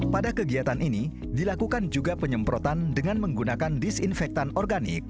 pada kegiatan ini dilakukan juga penyemprotan dengan menggunakan disinfektan organik